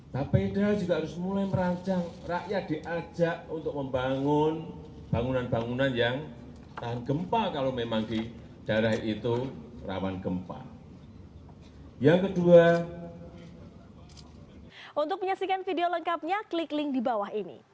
tapi diharus mulai merancang rakyat diajak untuk membangun bangunan bangunan yang tahan gempa kalau memang di daerah itu rawan gempa